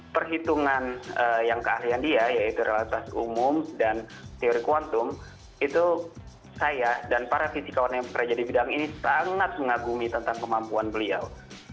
perhitungan yang keahlian dia yaitu realitas umum dan teori kuantum itu saya dan para fisikawan yang bekerja di bidang ini sangat mengagumi tentang kemampuan beliau